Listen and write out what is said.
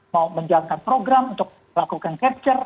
mau menjalankan program untuk melakukan capture